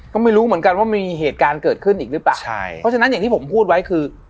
ก็ไม่รู้เหมือนกันว่ามันมีเหตุการณ์เกิดขึ้นอีกหรือเปล่าใช่เพราะฉะนั้นอย่างที่ผมพูดไว้คือ